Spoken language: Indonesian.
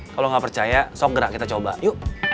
kalau gak percaya sobra kita coba yuk